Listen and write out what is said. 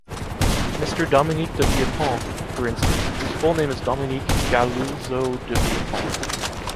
Mr Dominique de Villepin, for instance, whose full name is Dominique Galouzeau de Villepin.